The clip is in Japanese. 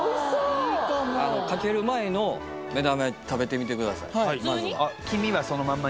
かける前の目玉焼き食べてみてください